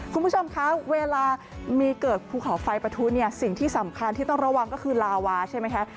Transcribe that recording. คุณผู้ชมคะเวลามีเกิดภูเขาไฟประทุเนี่ยสิ่งที่สำคัญที่ต้องระวังก็คือลาวาใช่ไหมคะ